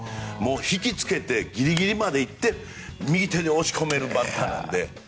引きつけて、ギリギリまで行って右手で押し込めるバッターなので。